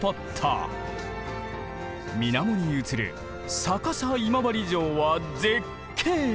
水面に映る「逆さ今治城」は絶景！